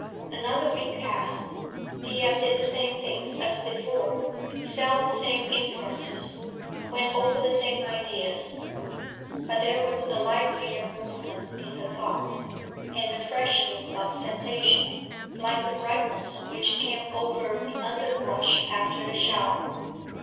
Another week passed. Thea did the same things as before, felt the same influences, went over the same ideas; but there was a livelier movement in her thoughts, and a freshening of sensation, like the brightness which came over the underbrush after a shower.